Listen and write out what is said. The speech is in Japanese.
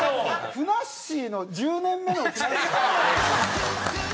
ふなっしーの１０年目のふなっしー。